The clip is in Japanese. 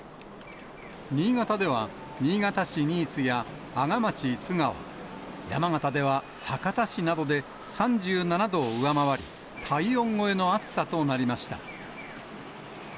新潟では、新潟市新津や阿賀町津川、山形では酒田市などで３７度を上回り、体温超えの暑さとなりました。